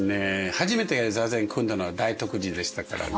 初めて座禅組んだのは大徳寺でしたからね。